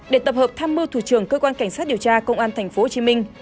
để tập hợp tham mưu thủ trưởng cơ quan cảnh sát điều tra công an tp hcm